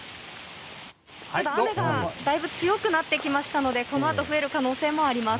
雨がだいぶ強くなってきましたのでこのあと増える可能性もあります。